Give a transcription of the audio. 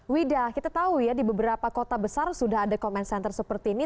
wida kita tahu ya di beberapa kota besar sudah ada comment center seperti ini